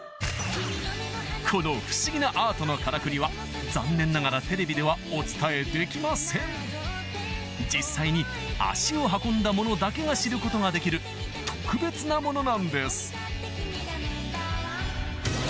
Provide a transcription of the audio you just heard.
この不思議なアートのカラクリは残念ながらテレビではお伝えできません実際に足を運んだ者だけが知ることができる特別なものなんです